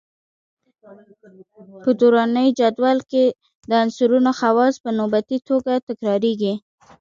په دوراني جدول کې د عنصرونو خواص په نوبتي توګه تکراریږي.